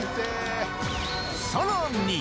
さらに。